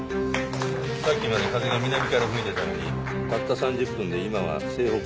さっきまで風が南から吹いてたのにたった３０分で今は西北西か。